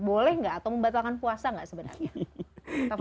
boleh gak atau membatalkan puasa gak sebenarnya